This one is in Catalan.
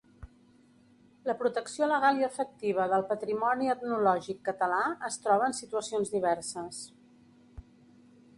La protecció legal i efectiva del patrimoni etnològic català es troba en situacions diverses.